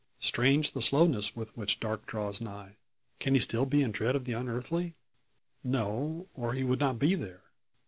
Strange the slowness with which Darke draws nigh! Can he still be in dread of the unearthly? No, or he would not be there.